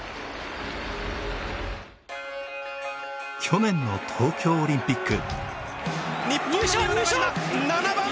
去年の東京オリンピック。